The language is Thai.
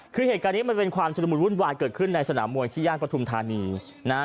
คือเหตุการณ์นี้มันเป็นความชุดละมุนวุ่นวายเกิดขึ้นในสนามมวยที่ย่านปฐุมธานีนะฮะ